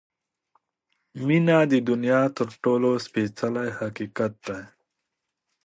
• مینه د دنیا تر ټولو سپېڅلی حقیقت دی.